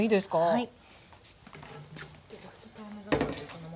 はい。